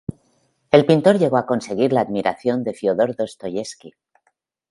El pintor llegó a conseguir la admiración de Fiódor Dostoievski.